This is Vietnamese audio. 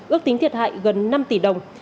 ước tính thiệt hại gần năm tỷ đồng